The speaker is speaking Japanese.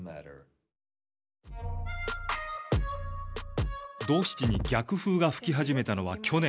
「ドーシチ」に逆風が吹き始めたのは去年秋。